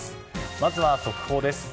まずは速報です。